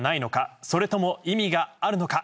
それとも意味があるのか。